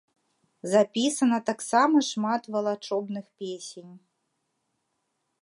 Запісана таксама шмат валачобных песень.